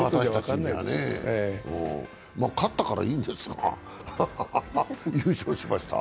ま、勝ったからいいんですが優勝しました。